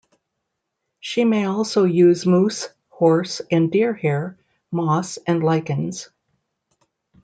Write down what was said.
She may also use moose, horse, and deer hair, moss, and lichens.